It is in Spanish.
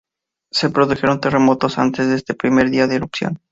Se produjeron terremotos antes de este primer día de erupción.